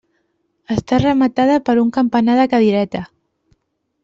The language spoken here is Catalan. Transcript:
Està rematada per un campanar de cadireta.